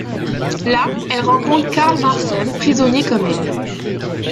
Là, elle rencontre Karl Marsen, prisonnier comme elle.